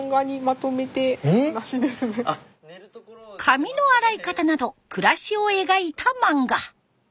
髪の洗い方など暮らしを描いた漫画。